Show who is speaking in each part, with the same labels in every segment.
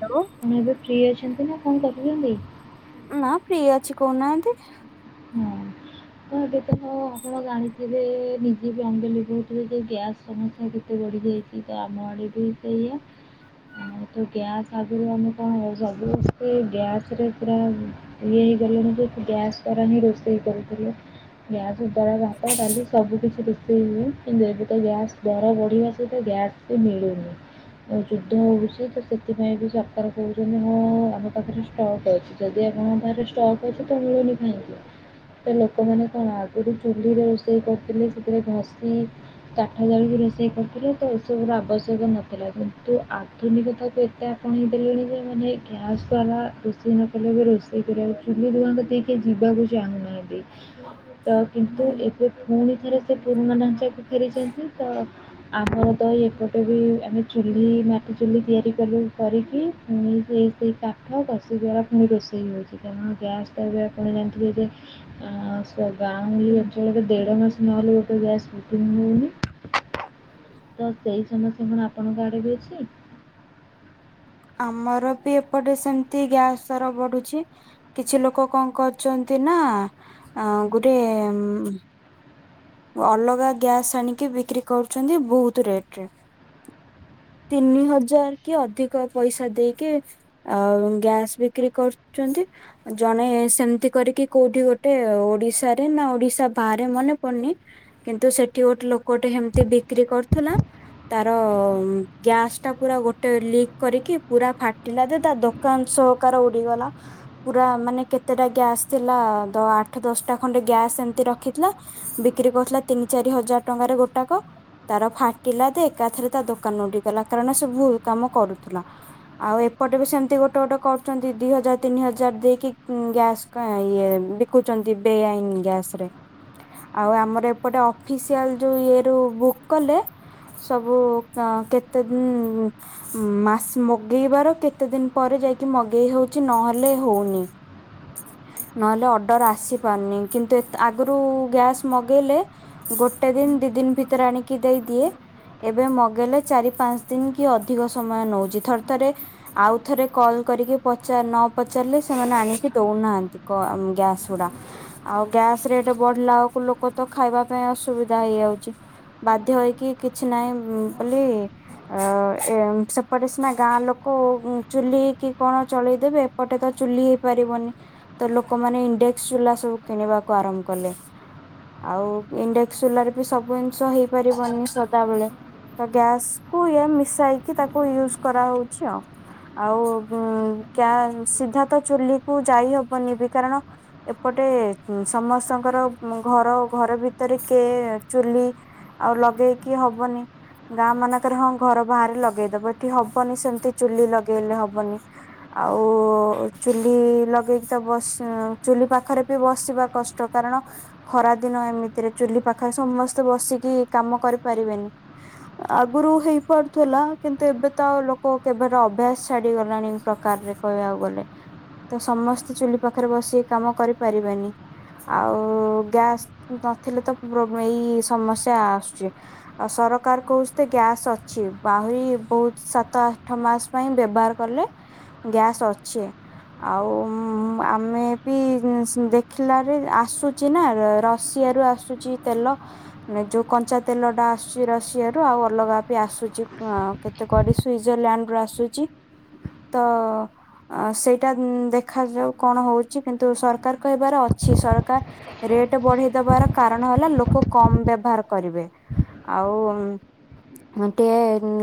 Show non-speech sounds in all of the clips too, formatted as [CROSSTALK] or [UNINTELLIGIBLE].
Speaker 1: ଠାରୁ
Speaker 2: ଆପଣ ଏବେ ଫ୍ରି ଅଛନ୍ତି ନା କଣ କରୁଚନ୍ତି?
Speaker 1: ନା ଫ୍ରି ଅଛି କୋହୁନାହାନ୍ତି।
Speaker 2: ନାଇଁ ତ ଏବେ ତ ଆପଣ ଜାଣିଥିବେ ନିଜେ ବି ଅଙ୍ଗେ ଲିଭୋଉଥିବେ ଯେ ଗ୍ୟାସ୍ ସମସ୍ୟା କେତେ ବଢିଯାଇ ଇଏ ତ ଆମେ ବି ସେଇଆ। ହଁ ତ ଗ୍ୟାସ୍ ଆଗରୁ ଆମେ କଣ ହୋଉ ସମସ୍ତେ ଗ୍ୟାସରେ ପୁରା ଏଇ ହେଇଗଲେଣି [UNINTELLIGIBLE] ଗ୍ୟାସ ଦ୍ୱାରା ହିଁ ରୋଷେଇ କରୁଥୁଲେ। ଗ୍ୟାସ୍ ଦ୍ୱାରା ଭାତ ଡାଲି ସବୁକଛି ରୋଷେଇ ହୁଏ କିନ୍ତୁ ଏବେ ତ ଗ୍ୟାସ୍ ଦର ବଢ଼ିବା ସହିତ ଗ୍ୟାସ୍ ବି ମିଳୁନି। ଏ ଯୁଦ୍ଧ ହୋଉ ସିଏ ତ ସେଥିପାଇଁ ବି ସରକାର କୋହୁଚନ୍ତି ହଁ ଆମ ପାଖରେ ଷ୍ଟକ୍ ଅଛି। ଯଦି ଆପଣଙ୍କ ପାଖରେ ଷ୍ଟକ୍ ଅଛି ତ ମିଳୁନି କାହିଁକି? ତ ଲୋକମାନେ କଣ ଆଗରୁ ଚୁଲିରେ ରୋଷେଇ କରୁଥିଲେ। ସେଥିରେ ଘଷି ଚାଠ ଜାଳିକି ରୋଷେଇ କରିୁଥିଲେ ତ ଏସବୁର ଆବଶ୍ୟକ ନଥିଲା। କିନ୍ତୁ ଆଧୁନିକତାକୁ ଏତେ ସୁଣେଇ ଦେଲେଣି ଯେ ମାନେ ଗ୍ୟାସ୍ ଦ୍ଵାରା ରୋଷେଇ ନ କଲେ ବି ରୋଷେଇ କରିବାକୁ ଚୁଲି [UNINTELLIGIBLE] କେ ଯିବାକୁ ଚାହୁଁନାହାନ୍ତି। ତ କିନ୍ତୁ ଏବେ ପୁଣି ଥରେ ସେ ପୁରୁଣା ଢାଞ୍ଚାକୁ ଫେରି ଚନ୍ତି ତ ଆମର ଦ ଏପଟେ ବି ଆମେ ଚୁଲି ମାଟି ଚୁଲି ତିଆରି କଲୁ। କରିକି ପୁଣି ସେଇ ସେଇ କାଠ ଘଷି ଦୂାରା ପୁଣି ରୋଷେଇ ହୋଉଚି। କାରଣ ଗ୍ୟାସ ଟା ଏବେ ଆପଣ ଜାଣିଥିବେ ଯେ ଅ ସେ ଗାଁଉଳି ଅଞଳ ଦେଢ ମାସ ନ ଗଲେ ଗ୍ୟାସ ବୁକିଂ ମିଳୁନି। ତ ସେଇ ସମସ୍ୟା କଣ ଆପଣଙ୍କ ଆଡେ ବି ଅଛି?
Speaker 1: ଆମର ବି ଏପଟେ ସେମତି ଗ୍ୟାସ ଦର ବଢୁଛି। କିଛି ଲୋକ କଆଁ କରୁଚନ୍ତି ନା। ଗୋଟେ ଅଲଗା ଗ୍ୟାସ୍ ଆଣିକି ବିକ୍ରି କରୁଚନ୍ତି। ବହୁତ ରେଟ ରେ। ତିନି ହଜାର କି ଅଧିକ ପଇସା ଦେଇକି ଆଉ ଗ୍ୟାସ ବିକ୍ରି କରୁଛନ୍ତି। ଜଣେ ସେମିତି କରିକି କୋଉଠି ଗୋଟେ ଓଡିଶାରେ ନା ଓଡିଶା ବାହାରେ ମନେ ପଡୁନି କିନ୍ତୁ ସେଠି ଗୋଟେ ଲୋକଟେ ହେମିତି ବିକ୍ରି କରୁଥିଲା। ତାର ଗ୍ୟାସ ଟା ପୁରା ଗୋଟେ ଲିକ୍ କରିକି ପୁରା ଫାଟିଲା। ଜେ ତା ଦୋକାନ ସହକାର ଉଡିଗଲା। ପୁରା ମାନେ କେତେଟା ଗ୍ୟାସ୍ ଥିଲା। ଆଠ ଦଶଟା ଖଣ୍ଡେ ଗ୍ୟାସ୍ ଏମିତି ରଖିଥିଲା। ବିକ୍ରି କରୁଥିଲା ତିନି ଚାରି ହଜାର ଟଙ୍କାରେ ଗୋଟାକ। ତାର ଫାଟିଲା ଦେ ଏକାଥରେ ତା ଦୋକାନ ଉଡିଗଲା। କାରଣ ସେ ଭୁଲ କାମ କରୁଥିଲା। ଆଉ ଏପଟେ ବି ସେମିତି ଗୋଟେ ଗୋଟେ କରୁଛନ୍ତି। ଦି ହଜାର ତିନି ହଜାର ଦେଇକି ଗ୍ୟାସ୍। କାଇଁ ଇଏ ବିକୁଚନ୍ତି ବେଆଇନ ଗ୍ୟାସ ରେ। ଆଉ ଆମର ଏପଟେ ଅଫିସିଆଲ ଯୋଉ ଇଏ ରୁ ବୁକ୍ କଲେ। ସବୁ ଅ କେତେ ଦିନ ମାସ ମଗେଇବାର କେତେ ଦିନ ପରେ ଯାଇକି ମଗେଇ ହଉଛି। ନହେଲେ ହଉନି। ନହେଲେ ଅର୍ଡର ଆସିପାରୁନି କିନ୍ତୁ ଆଗରୁ ଗ୍ୟାସ୍ ମଗେଇଲେ ଗୋଟେ ଦିନ, ଦି ଦିନ ଭିତରେ ଆଣିକି ଦେଇଦିଏ। ଏବେ ମଗେଇଲେ ଚାରି ପାଞ୍ଚ ଦିନ କି ଅଧିକ ସମୟ ନଉଛି ଥରେ ଥରେ ଆଉଥରେ କଲ କରିକି ପଚାର ନ ପଚାରିଲେ ସେମାନେ ଆଣିକି ଦଉନାହାନ୍ତି। କ ଗ୍ୟାସ ଗୁଡା ଆଉ ଗ୍ୟାସ ରେଟ୍ ବଢିଲା ବେଳକୁ ଲୋକ ତ ଖାଇବା ପାଇଁ ଅସୁବିଧା ହେଇଯାଉଛି। ବାଧ୍ୟ ହେଇକି କିଛି ନାହିଁ ପେଲି ଅ ଏ ସେପଟେ ସିନା ଗାଁ ଲୋକ ଚୁଲି କିି କଣ ଚଳେଇଦେବେ। ଏପଟେ ତ ଚୁଲି ହେଇ ପାରିବନି। ତ ଲୋକମାନେ ଇଣ୍ଡେକ୍ସ ଚୁଲା ସବୁ କିଣିବାକୁ ଆରମ୍ଭ କଲେ। ଆଉ ଇଣ୍ଡେକ୍ସ ଚୁଲାରେ ବି ସବୁ ଜିନିଷ ହେଇପାରିବନି ସଦାବେଳେ। ତ ଗ୍ୟାସକୁୁ ଇଏ ମିଶାଇକି ତାକୁ ୟୁଜ କରା ହଉଛି ଆଉ। ଆଉ କା ସିଧା ତ ଚୁଲି କୁ ଯାଇ ହବନି ବି କାରଣ ଏପଟେ ସମସ୍ତଙ୍କର ଘର ଘର ଭିତରେ କେ ଚୁଲି ଆଉ ଲଗେଇକି ହବନି। ଗାଁ ମାନଙ୍କରେ ହଁ ଘର ବାହାରେ ଲଗେଇଦବ। ଏଠି ହବନି ସେମିତି ଚୁଲି ଲଗେଇଲେ ହବନି। ଆଉ ଚୁଲି ଲଗେଇକି ତ ବସ ଚୁଲି ପାଖରେ ବି ବସିବା କଷ୍ଟ କାରଣ ଖରା ଦିନ ଏମିତିରେ ଚୁଲି ପାଖରେ ସମସ୍ତେ ବସିକି କାମ କରିପାରିବେନି। ଆଗରୁ ହେଇ ପାରୁଥିଲା। କିନ୍ତୁ ଏବେ ତ ଆଉ ଲୋକ କେବେର ଅଭ୍ୟାସ ଛାଡିଗଲାଣି। ପ୍ରକାରରେ କହିବାକୁ ଗଲେ। ତ ସମସ୍ତେ ଚୁଲି ପାଖରେ ବସି କାମ କରିପାରିବେନି। ଆଉ ଗ୍ୟାସ ନଥିଲେ ତ ଏଇ ସମସ୍ୟା ଆସୁଛି। ଆଉ ସରକାର କହୁଛିତେ ଗ୍ୟାସ୍ ଅଛି। ଆହୁରି ବହୁତ ସାତ ଆଠ ମାସ ପାଇଁ ବ୍ୟବହାର କଲେ ଗ୍ୟାସ୍ ଅଛି। ଆଉ
Speaker 2: ହଁ [UNINTELLIGIBLE]
Speaker 1: ଆମେ ବି ମ୍ ସ ଦେଖିଲା ରେ ଆସୁଚି ନା ର ରଷିଆରୁ ଆସୁଚି ତେଲ। ମାନେ ଯୋଉ କଞ୍ଚା ତେଲ ଟା ଆସୁଚି ରଷିଆରୁୁ ଆଉ ଅଲଗା ବି ଆସୁଚି ଅଁ କେ ତ କରି ସୁଇଜରଲାଣ୍ଡ ରୁ ଆସୁଚି ତ ଅଁ ସେଇଟା ଉଁ ଦେ ଦେଖାଯାଉ କଣ ହଉଚି କିନ୍ତୁ ସରକାର କହିବାର ଅଛି ସରକାର ରେଟ୍ ବଢେଇଦବାର କାରଣ ହେଲା ଲୋକ କମ୍ ବ୍ୟବହାର କରିବେ। ଆଉ ମ୍ ଟେ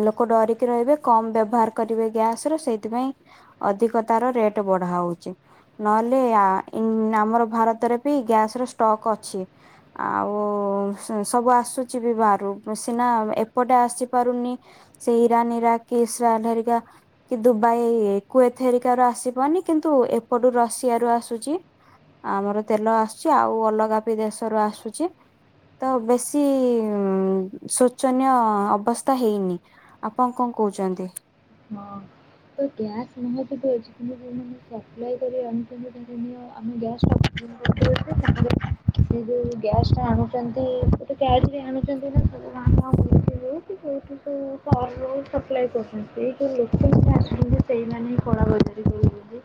Speaker 1: ଲୋକ ଡରିକି ରହିବେ କମ ବ୍ୟବହାର କରିବେ ଗ୍ୟାସ ର ସେଇଥିପାଇଁ ଅଧିକ ତାର ରେଟ୍ ବଢଉ ନହେଲେ ଆ ଇନ ଆମର ଭାରତରେ ବି ଗ୍ୟାସ ର ଷ୍ଟକ୍ ଅଛି। ଆଉ ସ ସବୁ ଆସୁଚି ବି ବାହାରୁ ସିନା ଏପଟେ ଆସିପାରୁନି ସେଇ ଇରାନ ଇରାକ କି ଏସରାଲ୍ ହେରିକା କି ଦୁବାଇ କୁଏଥ ହେରିକା ରୁ ଆସିପାରୁନି କିନ୍ତୁ ଏପଟୁ ରଷିଆ ରୁ ଆସୁଚି। ଆମର ତେଲ ଆସୁଚି ଆଉ ଅଲଗା ବି ଦେଶରୁ ଆସୁଚି। ତ ବେଶୀ ଶୋଚନୀୟ ଅବସ୍ଥା ହେଇନି। ଆପଣ କଣ କହୁଚନ୍ତି?
Speaker 2: ହଁ ତ ଗ୍ୟାସ୍ ନିହାନ୍ତି ଯୋଉ ଏଚ ପି [UNINTELLIGIBLE] ଅପ୍ଲାୟ କରିବ ଅଣୁଚନ୍ତି [UNINTELLIGIBLE] ସେ ଯୋଉ ଗ୍ୟାସ୍ ଟା ଆଣୁଚନ୍ତି ଗୋଟେ [UNINTELLIGIBLE] ବି ଆଣୁଛନ୍ତି ନା [UNINTELLIGIBLE] କୋଉଠୁ ସବୁ ସପ୍ଲାୟେ ଟାଉନ ରୁ ହୋଉ ସପ୍ଲାୟେ କରୁଚନ୍ତି ଏ [UNINTELLIGIBLE] ଆସୁଚନ୍ତି ସେଇମାନେ ହିଁ କଳା ବଜାର କରୁଚନ୍ତି।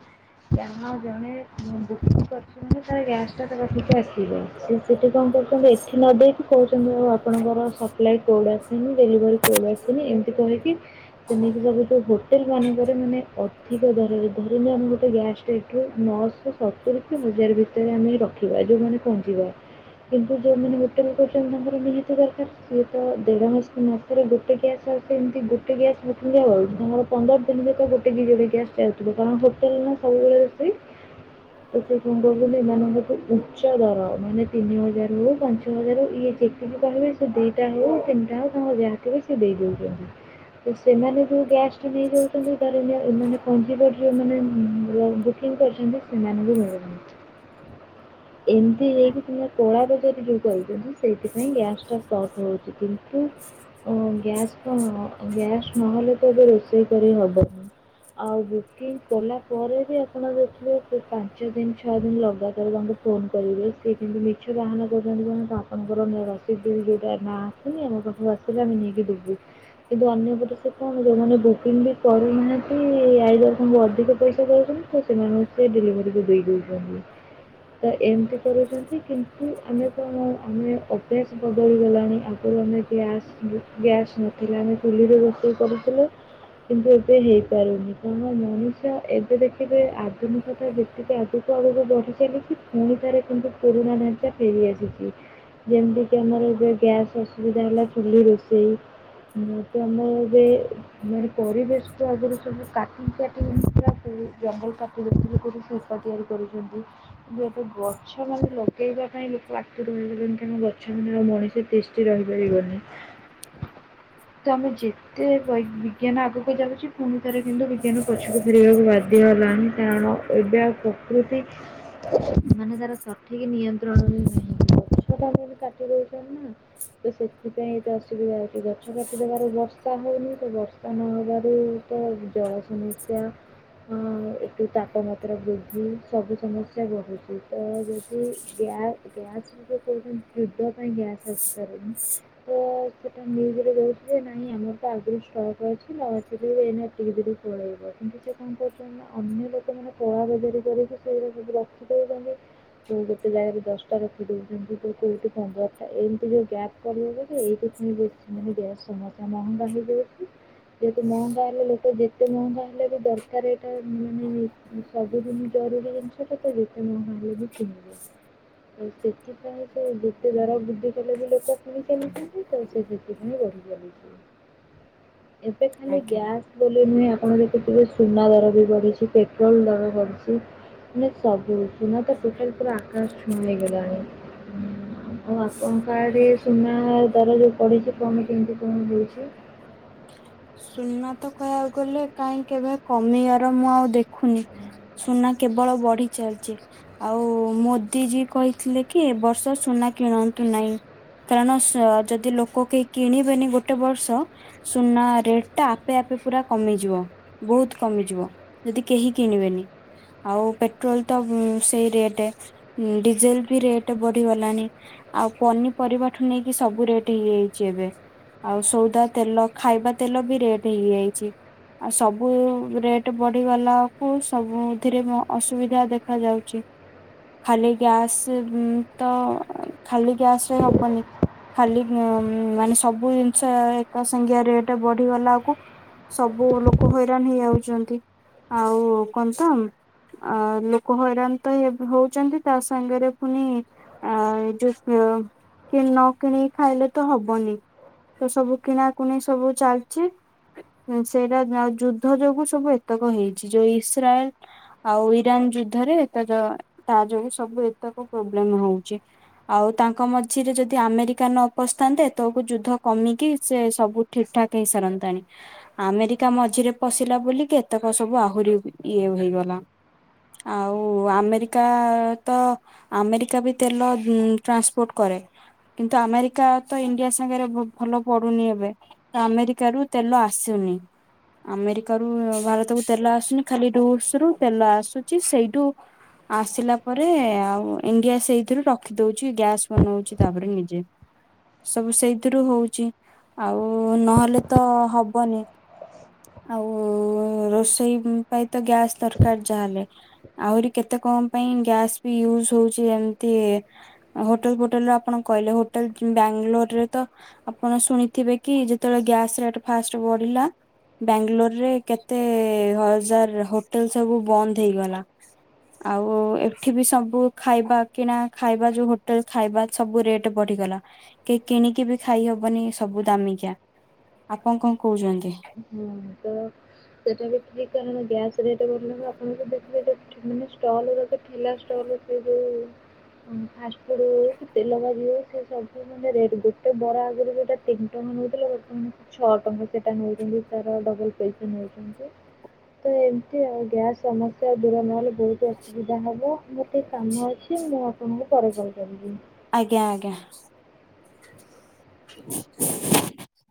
Speaker 2: ଯାହା ଜଣେ ବୁକିଂ କରିଚି ମାନେ ତାର ଗ୍ୟାସ୍ ଟା ତା ପାଖକୁ ଆସିବ। ସେଇଠି କଣ କରୁଛନ୍ତି ଏଠି ନ ଦେଇକି କହୁଛନ୍ତି ଆଉ ଆପଣଙ୍କର ସପ୍ଲାଏ କୋଡ ଆସିନି ଡେଲିଭରି କୋଡ଼ ଆସିନି ଏମିତି କହିକି ସେମିତି ସବୁ ତ ହୋଟେଲ ମାନଙ୍କରେ ମାନେ ଅ ଅଧିକ ଦରରେ ଧରିନିଅ ଆମେ ଗୋଟେ ଗ୍ୟାସ୍ ଏଠୁ ନଅଶହ ସତୁରି ଠୁ ହଜାର ଭିତ ସେତେରେ ଆମେ ରଖିବା ଯୋଉମାନେ ପହଞ୍ଚିବା କିନ୍ତୁ ଯୋଉମାନେ ହୋଟେଲ କରିଚନ୍ତି ତାଙ୍କର ନିହାତି ଦରକାର ସିଏ ତ ଦେଢ ମାସରେ ଗୋଟେ ଗ୍ୟାସ ଆଉ ସେ ଏମିତି ଗୋଟେ ଗ୍ୟାସ୍ ବୁକିଙ୍ଗ ହଉ ଆମର ପନ୍ଦର ଦିନି ରେ ତ ଗୋଟେ କି ଯୋଡ଼େ ଗ୍ୟାସ ଚାଲଥିବ କାରଣ ହୋଟେଲ ନା ସବୁବେଳେ ରୋଷେଇ ସେ କଣ କରୁଚନ୍ତି ଏମାଙ୍କଠୁ ଉ ଛ ଦର ମାନେ ତିନି ହଜାର ହୋଉ ପାଞ୍ଚ ହଜାର ହୋ ଉ ଇଏ ଯେତିକି କହିବେ ସେ ଦୁଇଟା ହେଉ ତିନିଟା ହେଉ ନଅ ହଜାର ହୋଉ ସେ ଦେଇଚନ୍ତି ତ ସେମାନେ ଯୋଉ ଗ୍ୟାସ ନେଇଯାଉନ୍ତି ଧରିନିଅ ଏମାନେ କାଞ୍ଜିବର ଯୋଉ ମାନ ବ୍ଲ ବୁକିଂ କରିଚନ୍ତି ସେମାନଙ୍କୁ ମିଳୁନି। ଏମିତି ହେଇକି ତୁମେ କଳା ବଜାରୀ ଯୋଉ କରିଚନ୍ତି ସେଇଥିପାଇଁ ଗ୍ୟାସ୍ ଟା ସଟ୍ ହଉଚି କିନ୍ତୁ ଓ ଗ୍ୟାସ କଣ ଗ୍ୟାସ ନହଲେ ତ ଏବେ ରୋଷେଇ କରି ହବନି। ଆଉ ବୁକିଂ କଲା ପରେ ବି ଆପଣ ଦେଖିବେ କି ପାଞ୍ଚ ଦିନ ଛଅ ଦିନ ଲଗାତାର ତାଙ୍କୁୁ ଫୋନ୍ କରିବେ ସେଏ କେମିତି ମିଛ ବାହାନା କରୁଚନ୍ତି କଣ ଆପଣଙ୍କର ନେ ରସିଦ ବି ଯେଉଟା ନା ଆମ ପାଖକୁ ଆସିଲେ ଆମେ ନେଇକି ଦବୁ କିନ୍ତୁ ଅନ୍ୟପଟେ ସେତ ଆମ ଯୋଉମାନେ ବୁକିଂ ବି କରନାହାନ୍ତି ଆଇଦର ତାଙ୍କୁ ଅଧିକ ପଇସା ଦଉଚନ୍ତି ତ ସେମାନେ ସେ ଡେଲିଭରିକୁ ଦେଇଦଉ କରିବେ ତ ଏମିତି କରୁଚନ୍ତି କିନ୍ତୁ ଆମେ କଣ ଆମେ ଅଭ୍ୟାସ ବଦଳିଗଲାଣି ଆଗରୁ ଆମେ ଗ୍ଲାସ୍ ଗ୍ୟାସ୍ ନଥିଲା ଆମେ ଚୁଲିରେ ରୋଷେଇ କରୁଥିଲେ। କିନ୍ତୁ ଏବେ ହେଇପାରୁନି କଣ ମଣିଷ ଏବେ ଦେଖିବେ ଆଧୁନିକତା ବେ ଆଗକୁ ଆଗକୁ ବଢି ଚାଲିଚି ପୁଣି ଥରେ କିନ୍ତୁ ପୁରୁଣା ଢାଞ୍ଚା ଫେରିଆସିଚି। ଯେମିତି କି ଆମର ଯୋଉ ଗ୍ୟାସ୍ ଅ ସୁବିଧା ହେଲା ଚୁଲି ରୋଷେଇ ତ ଆମେ ଏବେ ପରିବେଶକୁ ଆଗରୁ ସବୁ କାଟି କାଟିକି ନା ପୁରା ଜଙ୍ଗଲ କାଟି [UNINTELLIGIBLE] କରୁ ସେ ତିଆରି କରୁଚନ୍ତି କି ଏଠି ଗ ଗଛ ମାନେ ଲଗେଇବା ପାଇଁ ଲୋକ ଆତୁର ହେଇଗଲେଣି କାରଣ ଗଛ ବିନା ମଣିଷ ତିଷ୍ଠୀ ରହିପାରିବନି। ତ ଆମେ ଯେତେ ବଇ ବିଜ୍ଞାନ ଆଗକୁ ଯାଉଚି ପୁଣି ଥରେ କିନ୍ତୁ ବିଜ୍ଞାନ ପଛକୁ ଫେରୁ ଦେହକୁ ବାଧି ଗଲାଣି କାରଣ ଏବେ ପ୍ରକୃତି ମାନେ ତାର ସଠିକ ନିୟନ୍ତ୍ରଣରେ ନାହିଁ। ତ ସେଥିପାଇଁ ଏତେ ଅସୁବିଧା ହଉଛି ଗଛ କାଟିଦବାରୁ ବର୍ଷା ହଉନି ତ ବର୍ଷା କାନ ହେବାରୁ ତ ଜଳ ସମସ୍ୟା ହ ଏକଠୁ ତାପମାତ୍ରା ବୃଦ୍ଧି ସବୁ ସମସ୍ୟା ବଢୁଛି ତ [UNINTELLIGIBLE] ତ ସେଟା ନିଜରେ ଦେହୁଛି ଯେ ନାଇଁ ଆମର ଟ ଆଗରୁ ଶ ଅଛି ଅଛି ଏ ଏ ଟିକି ଧିକ ପଳେଇବ। କିନ୍ତୁ ସେ କଣ କରୁଛନ୍ତି ଅନ୍ୟ ଲୋକମାନେ କଳା ବଜରି କରିକି ସେଇ ରଖିଦଉଛନ୍ତି। ତୁ ଗୋଟେ ଜାଗାରେ ଦଶଟା ରଖିୁ ଯେମିତି ତୁ କୋଠୁ ପନ୍ଦରଟା ଏମିତି ଯୋଉ ଗ୍ୟାପ କରିବା ଯେ ଏହି ଖି ବ ମାନେ ବେୟ ସମସା ମହ ବାହିଲେ ଯେହେତୁ ମହଙ୍ଗା ହେଲେ ଲୋକ ଯେତେ ମହଙ୍ଗା ହେଲେ ବି ଦରକାର ଏଇଟା ମାନେ ସବୁଦିନ ଜରୁରୀ ଜିନିଷଟା ତ ଯେତେ ନହଲେ ବି ନବ। ଆଉ ସେଥିପାଇଁ ସବୁ ଯେତେ ଦାରା ବୃଦ୍ଧି କଲେ ବି ଲୋକ ପଣି ଚାଲିଛନ୍ତି ତ ସେ ସେଥିପାଇଁ ବଢ଼ି ଚାଲିଛି। ଏତେ ଖାଲି
Speaker 1: ଆଜ୍ଞା
Speaker 2: ଗ୍ୟାସ୍ ବଲେ ନୁହେଁ ଆପଣ ଦେଖିଥିବେ ସୁନା ଦର ବି ବଢ଼ିଛି ପେଟ୍ରୋଲ ଦର ବଢ଼ିଛି। ମାନେ ସବୁ ସୁନା ତ ପୋଟଲ ପୁରା ଆକାଶ ଛୁଇ ଗଲାଣି। ଆଉ ଆପଣଙ୍କାଡରେ ସୁନା ଦାର ଯୋଉ ପଢିଛି କଣ କେମିତି କଣ ଦଉଛି?
Speaker 1: ସୁନା ତ କହିବାକୁ ଗଲେ କାହିଁ କେବେ କମିବାର ମୁଁ ଆଉ ଦେଖୁନି। ସୁନା କେବଳ ବଢି ଚାଲିଛି। ଆଉ ମୋଦି ଜୀ କହିଥିଲେ କି ଏବ ବର୍ଷ ସୁନା କିଣନ୍ତୁ ନାହିଁ। କାରଣ ଯଦି ଲୋକ କେହି କିଣିବେନି ଗୋଟେ ବର୍ଷ ସୁନା ରେଟ୍ ତ ଆପେ ଆପେ ପୁରା କମିଯିବ ବହୁତ କମିଯିବ ଯଦି କେହି କିଣିବେନି। ଆଉ ପେଟ୍ରୋଲ ତ ସେଇ ରେଟ ଡିଜେଲ ବି ରେଟ୍ ବଢିଗଲାଣି। ଆଉ ପନିପରିବାଠୁ ନେଇକି ସବୁ ରେଟ ହେଇଯାଇଛି ଏବେ। ଆଉ ସଉଦା ତେଲ ଖାଇବା ତେଲ ବି ରେଟ ହେଇଯାଇଛି। ଆଉ ସବୁ ରେଟ ବଢିଗଲାକୁ ସବୁଥିରେ ଅସୁବିଧା ଦେଖା ଯାଉଛି। ଖାଲି ଗ୍ୟାସ୍ ତ ଖାଲି ଗ୍ୟାସ ହବନି। ଖାଲି ଉ ମାନେ ସବୁ ଜିନିଷ ଏକ ସଂଙ୍ଗଆ ରେଟ ବଢିଗଲା ଆକୁ ସବୁ ଲୋକ ହଇରାଣ ହେଇଯାଉଛନ୍ତି ଆଉ କହ ତ ଆ ଲୋକ ହଇରାଣ ତ ହଉଛନ୍ତି ତା ସାଙ୍ଗରେ ପୁଣି ଆ ଯ କି ନ କିଣିକି ଖାଇଲେ ତ ହବନି। ତ ସବୁ କିଣାକୁଣି ସବୁ ଚାଲ ସେଇଟା ଯୁଦ୍ଧ ଯୋଗୁ ସବୁ ଏତକ ହେଇଛି ଯୋଉ ଇସ୍ରାଏଲ ଆଉ ଇରାନ ଯୁଦ୍ଧରେ ଏ ତା ଯୋଗୁ ସବୁ ଏତକ ପ୍ରୋବ୍ଲେମ ହଉଛି। ଆଉ ତାଙ୍କ ମଝିରେ ଯଦି ଆମେରିକା ନ ପସ୍ଥାନ୍ତେ ତକୁ ଯୁଦ୍ଧ କମିକି ସେ ସବୁ ଠିକଠାକ୍ କେସରତାଣି। ଆମେରିକା ମଝିରେ ପଶିଲା ବୋଲିକି କେତେକ ସବୁ ଆହୁରି ଇଏ ହେଇଗଲା। ଆଉ ଆମେରିକା ତ ଆମେରିକା ବି ତେଲ ଟ୍ରାନ୍ସପୋର୍ଟ କରେ। କିନ୍ତୁ ଆମେରିକା ତ ଇଣ୍ଡିଆ ସାଙ୍ଗରେ ଭଲ ପଡୁନି ଏବେ। ଆମେରିକ ରୁ ତେଲ ଆସୁନି। ଆମେରିକାରୁୁ ଭାରତକୁ ତେଲ ଆସୁନି ଖାଲି ରୁଷ ରୁ ତେଲ ଆସୁଛି ସେଇଠୁ ଆସିଲା ପରେ ଆଉ ଇଣ୍ଡିଆ ସେଇଥିରୁ ରଖି ଦଉଛି ଗ୍ୟାସ ବନଉଛି ତାପରେ ନିଜେ ସବୁ ସେଇଥିରୁ ହଉଛି ଆଉ ନହେଲେ ତ ହବନି। ଆଉ ରୋଷେଇ ପାଇଁ ତ ଗ୍ୟାସ୍ ଦରକାର ଯାହା ହେଲେ। ଆହୁରି କେତେ କଣ ପାଇଁ ଗ୍ୟାସ ବି ୟୁଜ ହଉଛି ଏମିତି ହୋଟେଲ ଫୋଟେଲ ର ଆପଣ କହିଲେ ହୋଟେଲ ବାଙ୍ଗାଲୋର ରେ ତ ଆପଣ ଶୁଣିଥିବେ କି ଯେତେବେଳେ ଗ୍ୟାସ ଫାଷ୍ଟ ବଢିଲା ବାଙ୍ଗାଲୋରରେ କେତେ ହଜାର ହୋଟେଲ ସବୁ ବନ୍ଦ ହେଇଗଲା। ଆଉ ଏଠି ବି ସବୁ ଖାଇବା କିଣା ଖାଇବା ଯୋଉ ହୋଟେଲ ଖାଇବା ସବୁ ରେଟ୍ ବଢିଗଲା, କେହି କିଣିକି ବି ଖାଇହବନି ସବୁ ଦାମୀ କିଆ, ଆପଣ କଣ କହୁଚନ୍ତି?
Speaker 2: ହୁଁ, ତ ସେଇଟା ବି ଠିକ୍ କାରଣ ଗ୍ୟାସ ରେଟ୍ ବଢ଼ିଲାଣି ଆପଣ [UNINTELLIGIBLE] ଦେଖିବେ ମାନେ ଷ୍ଟଲ୍ [UNINTELLIGIBLE] ଠେଲା ଷ୍ଟଲ୍ [UNINTELLIGIBLE] ଫାଷ୍ଟ ଫୁଡ୍ ହଉ ତେଲ ଭାଜି ହଉ ସେ ସବୁ ମାନେ ରେଟ୍, ଗୋଟେ ବରା [UNINTELLIGIBLE] ତିନି ଟଙ୍କା ନଉଥିଲେ ବର୍ତ୍ତମାନ ଛଅ ଟଙ୍କା ସେଟା ନଉଚନ୍ତି ତାର ଡବଲ୍ ପଇସା ନଉଚନ୍ତି। ତ ଏମ୍ତି ଆଉ, ଗ୍ୟାସ୍ ସମସ୍ୟା ଦୂର ନହେଲେ ବହୁତ୍ ଅସୁବିଧା ହବ, ମୋର ଟିକେ କାମ ଅଛି ମୁଁ ଆପଣଙ୍କୁ ପରେ କଲ୍ କରିବି।
Speaker 1: ଆଜ୍ଞା-ଆଜ୍ଞା।